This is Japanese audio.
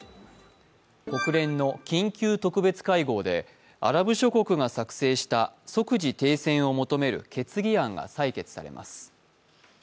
国連の緊急特別会合でアラブ諸国が作成した即時停戦を求める決議案が採決されます。